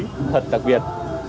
rất đặc biệt